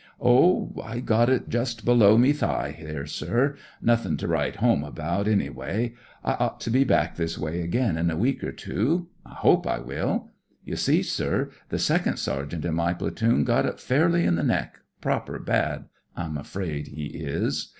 "Oh, I got it just below me thigh, here, sir; nothing to write home about. SPIRIT OF BRITISH SOLDIER 27 anyway. I ought to be back this way again in a week or two. I hope I wiU. You see, sir, the second sergeant in my platoon got it fairly in the neck ^proper bad, I'm afraid he is.